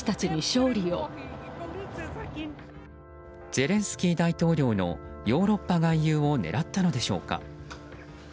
ゼレンスキー大統領のヨーロッパ外遊を狙ったのでしょうか。